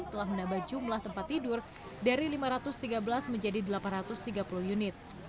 telah menambah jumlah tempat tidur dari lima ratus tiga belas menjadi delapan ratus tiga puluh unit